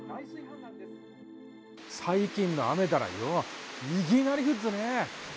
最近の雨だらよいぎなりぐっどねえ。